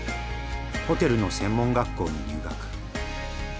ホテルの専門学校に入学。